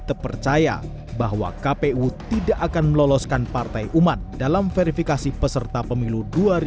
terpercaya bahwa kpu tidak akan meloloskan partai umat dalam verifikasi peserta pemilu